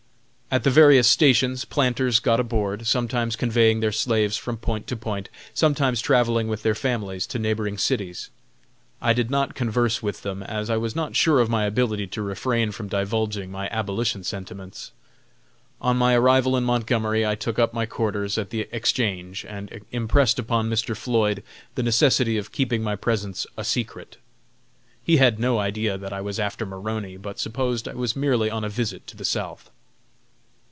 At the various stations planters got aboard, sometimes conveying their slaves from point to point, sometimes travelling with their families to neighboring cities. I did not converse with them, as I was not sure of my ability to refrain from divulging my abolition sentiments. On my arrival in Montgomery I took up my quarters at the Exchange and impressed upon Mr. Floyd the necessity of keeping my presence a secret. He had no idea that I was after Maroney, but supposed I was merely on a visit to the South.